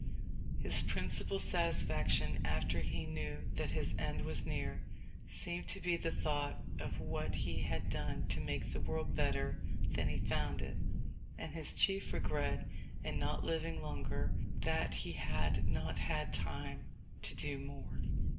His principal satisfaction, after he knew that his end was near, seemed to be the thought of what he had done to make the world better than he found it; and his chief regret in not living longer, that he had not had time to do more.